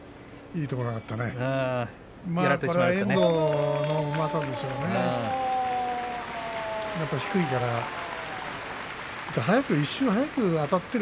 いいところがなかった。